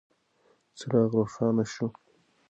څراغ روښانه شو.